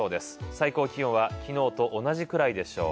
最高気温は昨日と同じくらいでしょう。